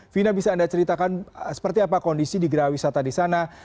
vina bisa anda ceritakan seperti apa kondisi di geraha wisata di sana